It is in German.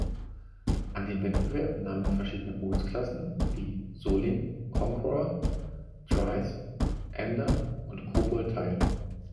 An dem Wettbewerb nahmen verschiedene Bootsklassen wie Soling, Conqueror, Thrice, Ander und Kobold teil.